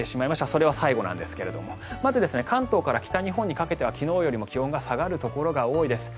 それは最後なんですがまず、関東から北日本にかけては昨日よりも気温が下がるところが多いです。